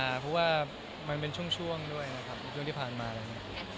เห็นว่าปีนี้มีบางตัวมันไม่ได้พอ